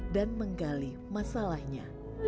dan menggali masalahnya